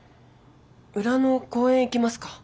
裏の公園行きますか。